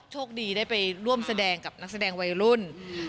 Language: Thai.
โชคดีได้ไปร่วมแสดงกับนักแสดงวัยรุ่น